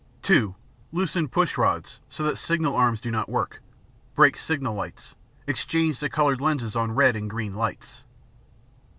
(2) Loosen push rods so that signal arms do not work; break signal lights; exchange the colored lenses on red and green lights.